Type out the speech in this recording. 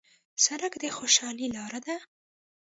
سړک د خوشحالۍ لاره ده.